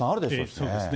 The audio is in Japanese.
そうですね。